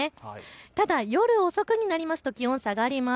ただ夜遅くになりますと気温、下がります。